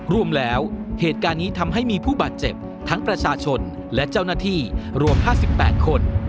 รวมแล้วเหตุการณ์นี้ทำให้มีผู้บาดเจ็บทั้งประชาชนและเจ้าหน้าที่รวม๕๘คน